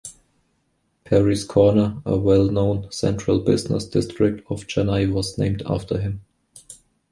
Parry's Corner, a well-known central business district of Chennai was named after him.